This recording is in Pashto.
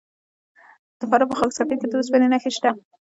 د فراه په خاک سفید کې د وسپنې نښې شته.